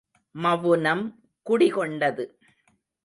மவுனம் குடி கொண்டது.